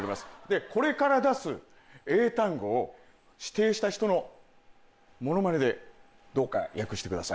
でこれから出す英単語を指定した人のものまねでどうか訳してください。